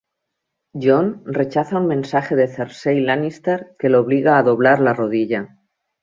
Jon rechaza un mensaje de Cersei Lannister que lo obliga a doblar la rodilla.